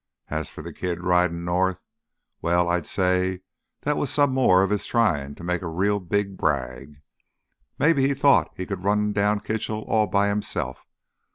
As for th' kid ridin' north—well, I'd say that was some more of his tryin' to make a real big brag. Maybe he thought he could run down Kitchell all by hisself.